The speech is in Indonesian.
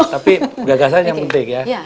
tapi gagasan yang penting ya